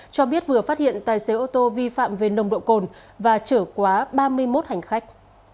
cho biết vừa phát hiện tài xế ô tô vi phạm về nồng độ cồn và chở quá ba mươi một hành khách